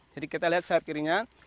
jadi kita lihat sayap kirinya